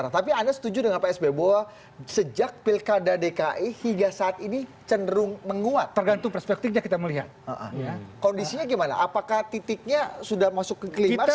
tidak mau bersuara tidak mau memperlihatkan sikap